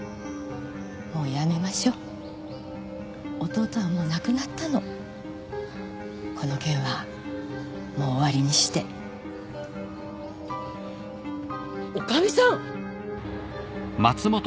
もうやめましょう弟はもう亡くなったのこの件はもう終わりにして女将さん！